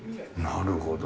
なるほど。